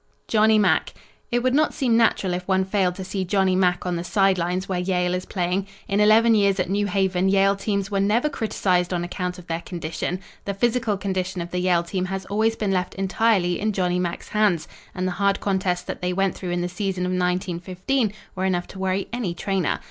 Johnny Mack It would not seem natural if one failed to see Johnny Mack on the side lines where Yale is playing. In eleven years at New Haven Yale teams were never criticised on account of their condition. The physical condition of the Yale team has always been left entirely in Johnny Mack's hands, and the hard contests that they went through in the season of 1915 were enough to worry any trainer.